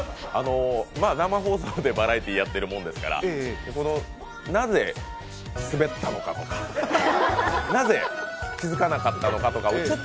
生放送でバラエティーやってるものですから、なぜスベったのかとか、なぜ気付かなかったのかとか。